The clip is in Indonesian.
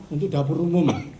untuk dapur umum